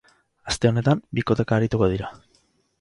Aste honetan, bikoteka arituko dira.